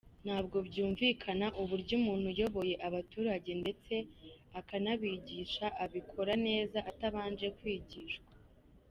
Ntabwo byumvikana uburyo umuntu uyoboye abaturage ndetse akanabigisha abikora neza atabanje kwigishwa